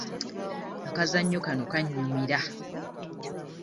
Akazannyo kano kannyumira.